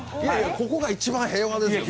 ここが一番平和ですよ。